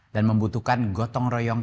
dan membutuhkan gotong royong